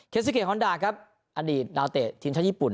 ซิเกฮอนดาครับอดีตดาวเตะทีมชาติญี่ปุ่น